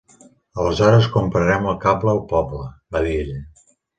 "Aleshores, comprarem el cable al poble", va dir ella.